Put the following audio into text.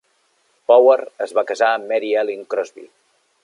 Power es va casar amb Mary Ellen Crosbie.